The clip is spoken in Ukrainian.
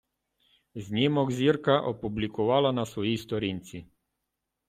Знімок зірка опублікувала на своїй сторінці.